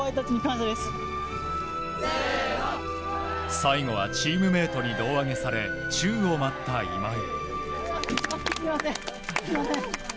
最後はチームメートに胴上げされ宙を舞った今井。